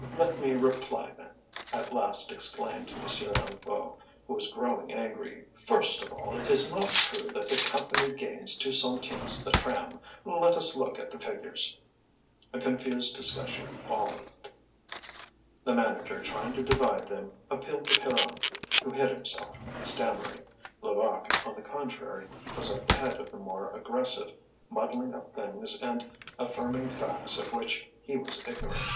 "Let me reply, then," at last exclaimed M. Hennebeau, who was growing angry. "First of all, it is not true that the Company gains two centimes the tram. Let us look at the figures." A confused discussion followed. The manager, trying to divide them, appealed to Pierron, who hid himself, stammering. Levaque, on the contrary, was at the head of the more aggressive, muddling up things and affirming facts of which he was ignorant.